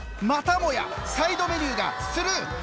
またもやサイドメニューがスルー。